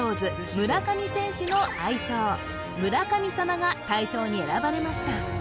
村上選手の愛称「村神様」が大賞に選ばれました